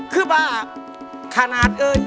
คือบ้าขนาดเอ้ย